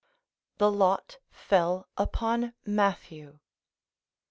["The lot fell upon Matthew."